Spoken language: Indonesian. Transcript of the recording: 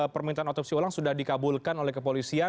permintaan otopsi ulang sudah dikabulkan oleh kepolisian